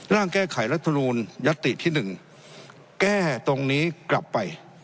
ร่างแก้ไขรัฐรุณยัตติที่หนึ่งแก้ตรงนี้กลับไป